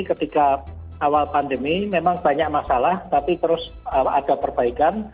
ketika awal pandemi memang banyak masalah tapi terus ada perbaikan